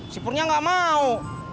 si purnya gak mau